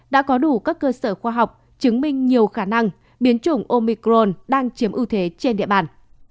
đã có đủ các cơ sở khoa học chứng minh nhiều khả năng biến chủng omicron đang chiếm ưu thế trên địa bàn